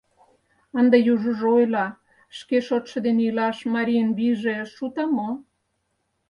Ынде южыжо ойла: «Шке шотшо дене илаш марийын вийже шута мо?»